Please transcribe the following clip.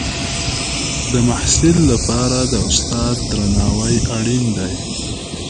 د محصل لپاره د استاد درناوی اړین دی.